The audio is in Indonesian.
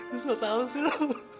susah tau sih lu